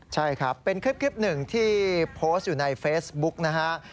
ใช่ครับเป็นคลิปหนึ่งที่โพสต์อยู่ในเฟซบุ๊กนะฮะ